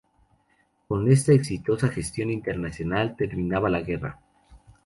Con esta exitosa gestión internacional, terminaba la guerra.